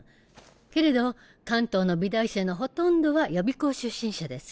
けれど関東の美大生のほとんどは予備校出身者です。